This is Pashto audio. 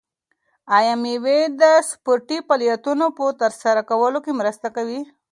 آیا مېوې د سپورتي فعالیتونو په ترسره کولو کې مرسته کوي؟